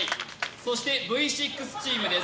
そしてＶ６チームです。